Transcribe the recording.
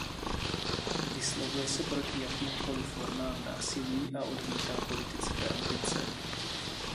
Vyslovuje se proti jakýmkoli formám násilí a odmítá politické ambice.